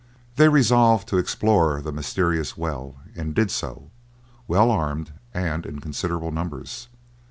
They resolved to explore the mysterious well, and did so, well armed and in considerable numbers.